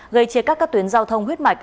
gây chia cắt các tuyến giao thông huyết mạch